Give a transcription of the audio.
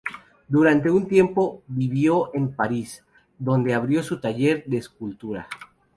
Durante un tiempo vivió en París, donde abrió su taller de escultura.